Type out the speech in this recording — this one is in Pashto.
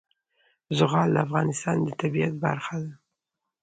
زغال د افغانستان د طبیعت برخه ده.